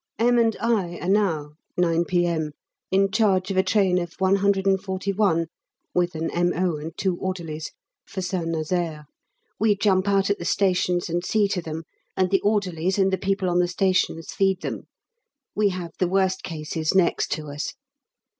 M. and I are now 9 P.M. in charge of a train of 141 (with an M.O. and two orderlies) for St Nazaire; we jump out at the stations and see to them, and the orderlies and the people on the stations feed them: we have the worst cases next to us.